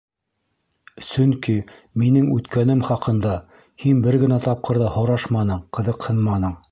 Сөнки минең үткәнем хаҡында һин бер генә тапҡыр ҙа һорашманың, ҡыҙыҡһынманың.